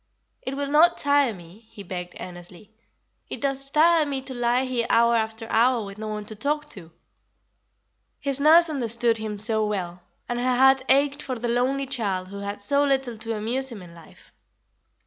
"It will not tire me," he begged earnestly; "and it does tire me to lie here hour after hour with no one to talk to." His nurse understood him so well, and her heart ached for the lonely child who had so little to amuse him in life.